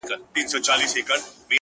په مصر کي ئې خرڅ کړي.